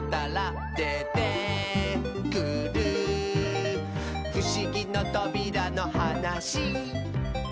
「でてくるふしぎのとびらのはなし」